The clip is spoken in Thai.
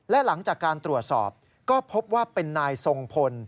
และหลังจากการตรวจสอบก็พบว่าเป็นนายทรงพล